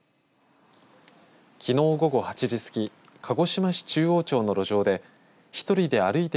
きのう午後８時過ぎ鹿児島市中央町の路上で１人で歩いて